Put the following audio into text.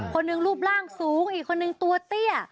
คนหนึ่งรูปร่างสูงอีกคนนึงตัวเตี้ย